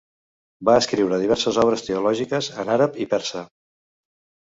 Va escriure diverses obres teològiques en àrab i persa.